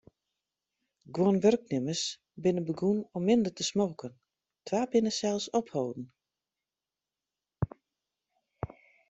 Guon wurknimmers binne begûn om minder te smoken, twa binne sels opholden.